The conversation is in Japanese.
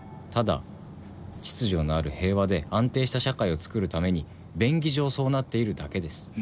ただ秩序のある平和で安定した社会をつくるために便宜上そうなっているだけです。